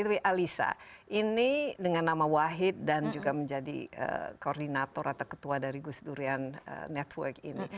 tapi alisa ini dengan nama wahid dan juga menjadi koordinator atau ketua dari gus durian network ini